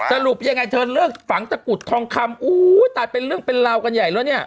สรุปยังไงเธอเลิกฝังตะกุดทองคำอู้ตายเป็นเรื่องเป็นราวกันใหญ่แล้วเนี่ย